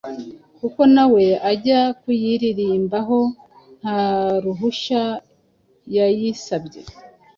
kuko na we ajya kuyiririmbaho nta ruhushya yayisabye.